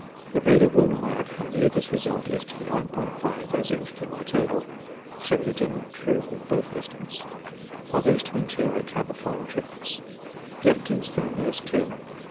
(The reader will remark how near this result is to the 9J as entered in my table, showing the general truth of both estimates.) Of these 22 I count the following triplets. The Atkyns family as two.